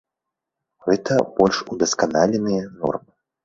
Гэта больш удасканаленыя нормы.